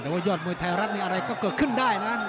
แต่ว่ายอดมวยไทยรัติอะไรขึ้นก็เกิดได้นะ